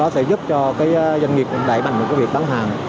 sẽ giúp cho doanh nghiệp đẩy bằng việc bán hàng